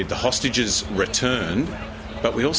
kita butuh pembunuh untuk kembali